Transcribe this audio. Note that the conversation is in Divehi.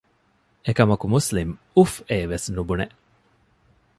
އެކަމަކު މުސްލިމް އުފްއޭވެސް ނުބުނެ